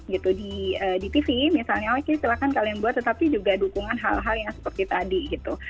gitu di tv misalnya oke silahkan kalian buat tetapi juga dukungan hal hal yang seperti tadi gitu